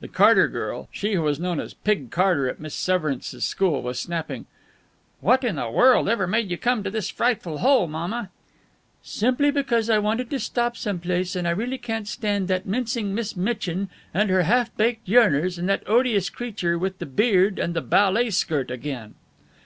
The Carter girl she who was known as "Pig Carter" at Miss Severance's school was snapping, "What in the world ever made you come to this frightful hole, mama?" "Simply because I wanted to stop some place, and I really can't stand that mincing Miss Mitchin and her half baked yearners and that odious creature with the beard and the ballet skirt, again."